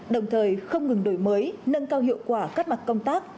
đồng thời không ngừng đổi mới nâng cao hiệu quả các mặt công tác